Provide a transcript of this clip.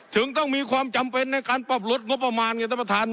ถึงต้องมีความจำเป็นในการปรับลดงบประมาณไงท่านประธาน